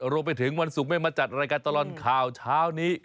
รวมไปถึงวันศุกร์ไม่มาจัดรายการตลอดข่าวเช้านี้